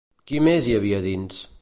Qui més hi havia dins?